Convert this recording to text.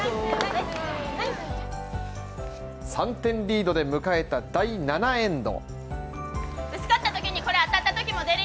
３点リードで迎えた第７エンド。